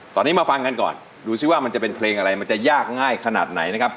ตอนนี้มาฟังกันก่อนดูซิว่ามันจะเป็นเพลงอะไรมันจะยากง่ายขนาดไหนนะครับ